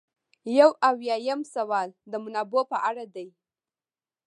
یو اویایم سوال د منابعو په اړه دی.